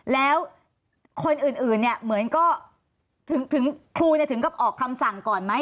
แล้วคนอื่นเหมือนก็คุณถึงก็ออกคำสั่งก่อนไหม